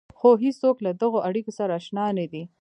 خو هېڅوک له دغو اړيکو سره اشنا نه دي.